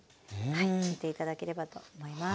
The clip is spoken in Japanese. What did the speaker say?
はい見て頂ければと思います。